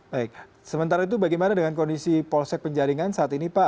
baik sementara itu bagaimana dengan kondisi polsek penjaringan saat ini pak